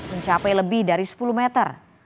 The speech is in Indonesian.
mencapai lebih dari sepuluh meter